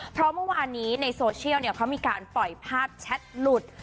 เพราะเมื่อวานนี้ในโซเชียลเขามีการปล่อยภาพแชทหลุด